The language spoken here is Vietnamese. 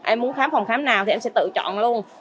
em muốn khám phòng khám nào thì em sẽ tự chọn luôn